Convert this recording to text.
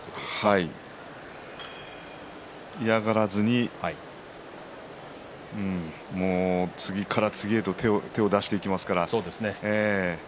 はい、嫌がらずにもう次から次へと手を出していきますから。